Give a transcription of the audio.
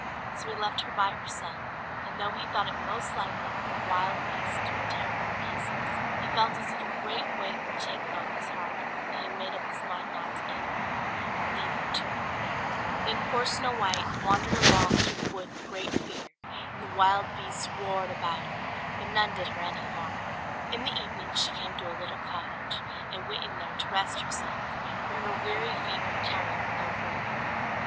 So he left her by herself, and though he thought it most likely that the wild beasts would tear her to pieces, he felt as if a great weight were taken off his heart when he had made up his mind not to kill her, but leave her to her fate. Then poor Snow White wandered along through the wood in great fear; and the wild beasts roared about her, but none did her any harm. In the evening she came to a little cottage, and went in there to rest herself, for her weary feet would carry her no further.